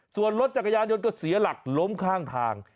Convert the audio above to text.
ส่วนรถจักรยานยนต์ก็เสียหลักล้มข้างทาง